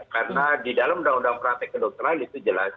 karena di dalam undang undang praktek kedokteran itu jelas